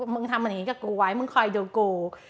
ทำอย่างนี้กับกูไว้มึงคอยดูกู